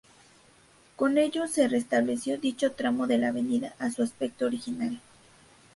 Con ello, se restableció dicho tramo de la avenida a su aspecto original.